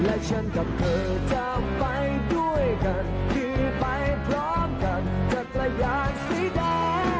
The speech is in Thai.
และฉันกับเธอจะไปด้วยกันที่ไปพร้อมกันจักรยานสีแดง